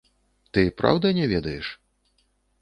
Ты, праўда, не ведаеш.